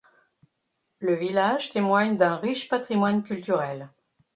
Le village témoigne d'un riche patrimoine culturel.